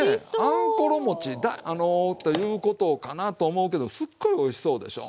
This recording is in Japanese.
あんころ餅ということかなと思うけどすっごいおいしそうでしょ。